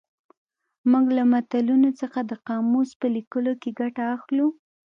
موږ له متلونو څخه د قاموس په لیکلو کې ګټه اخلو